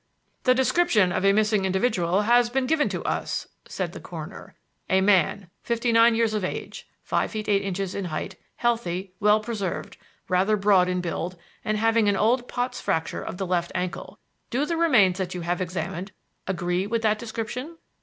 "The description of a missing individual has been given to us," said the coroner; "a man, fifty nine years of age, five feet eight inches in height, healthy, well preserved, rather broad in build, and having an old Pott's fracture of the left ankle. Do the remains that you have examined agree with that description?"